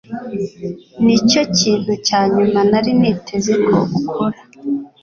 Nicyo kintu cya nyuma nari niteze ko ukora.